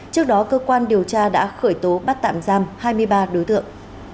trước đó cơ quan điều tra đã khởi tố bắt tạm giam hai mươi ba đối tượng